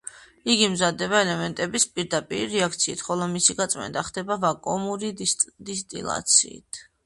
იგი მზადდება ელემენტების პირდაპირი რეაქციით, ხოლო მისი გაწმენდა ხდება ვაკუუმური დისტილაციით.